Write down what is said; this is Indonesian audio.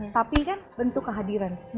tapi kan bentuk kehadiran